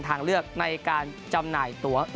ทางเลือกในการจำหน่ายตัว